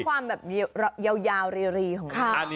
ความแบบยาวรีของเขา